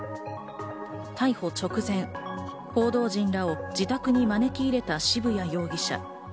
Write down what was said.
逮捕直前、報道陣らを自宅に招き入れた渋谷容疑者。